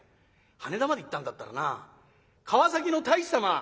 羽田まで行ったんだったらな川崎の大師様